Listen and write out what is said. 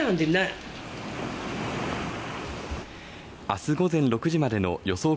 明日午前６時までの予想